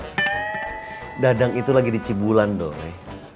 ceng dagang itu lagi di cibulan doi